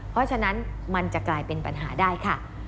เพราะฉะนั้นมันจะกลายเป็นปัญหาได้ค่ะ